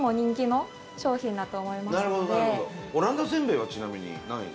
オランダせんべいはちなみに何位ですか？